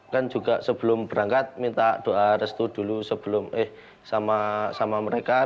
kan juga sebelum berangkat minta doa restu dulu sebelum eh sama mereka